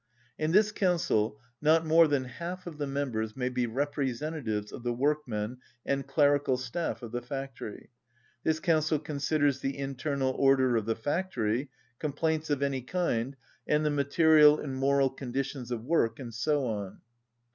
In this council not more than half of the members may be representatives of the workmen and clerical staff of the factory. This council considers the internal order of the factory, complaints of any kind, and the material and moral conditions of work and so on.